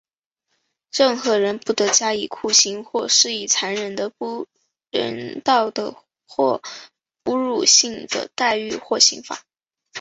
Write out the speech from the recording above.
任何人不得加以酷刑,或施以残忍的、不人道的或侮辱性的待遇或刑罚。